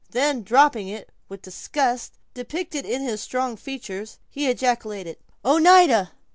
Then dropping it, with disgust depicted in his strong features, he ejaculated: "Oneida!"